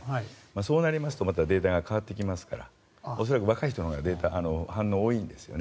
そうなりますとまたデータが変わってきますから恐らく若い人のほうがデータ、反応は多いんですよね。